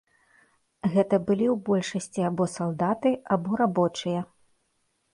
Гэта былі ў большасці або салдаты, або рабочыя.